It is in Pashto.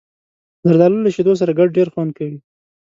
زردالو له شیدو سره ګډ ډېر خوند کوي.